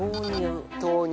豆乳。